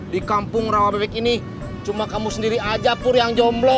di kampung rawa bebek ini cuma kamu sendiri aja pur yang jomblo